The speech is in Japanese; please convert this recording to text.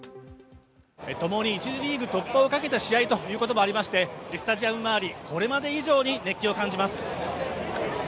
ともに１次リーグ突破をかけた試合ということもありまして、スタジアム周り、これまで以上に熱気を感じます。